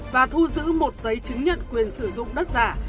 và thu giữ một giấy chứng nhận quyền sử dụng đất giả